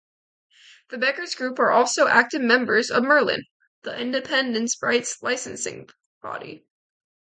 The Beggars Group are also active members of Merlin, the independents' rights licensing body.